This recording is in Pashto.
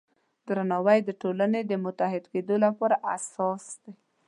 درناوی د ټولنې د متحد کیدو لپاره اساسي دی.